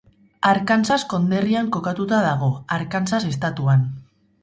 Arkansas konderrian kokatuta dago, Arkansas estatuan.